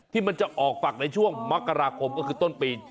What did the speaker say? ที่มันจะออกฝักในช่วงมกราคมก็คือต้นปี